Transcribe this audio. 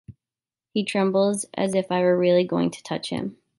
He trembles: as if I were really going to touch him!